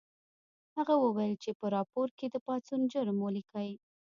هغه وویل چې په راپور کې د پاڅون جرم ولیکئ